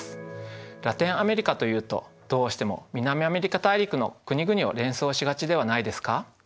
ラテンアメリカというとどうしても南アメリカ大陸の国々を連想しがちではないですか？